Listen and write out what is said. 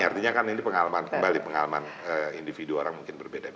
artinya kan ini pengalaman kembali pengalaman individu orang mungkin berbeda beda